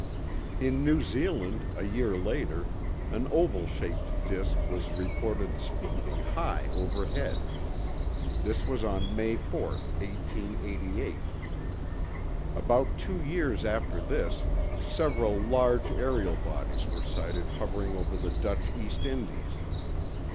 In New Zealand, a year later, an oval shaped disk was reported speeding high overhead. This was on May 4, 1888. About two years after this, several large aerial bodies were sighted hovering over the Dutch East Indies.